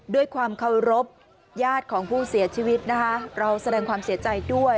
ด้วยความเคารพญาติของผู้เสียชีวิตนะคะเราแสดงความเสียใจด้วย